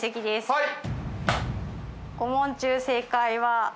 はい。